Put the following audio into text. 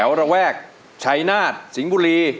แถวระแวกชายนาทซิงบูรี